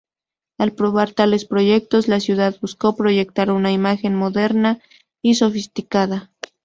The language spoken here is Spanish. Al aprobar tales proyectos, la ciudad buscó proyectar una imagen moderna y sofisticada.